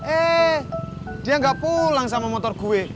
eh dia nggak pulang sama motor gue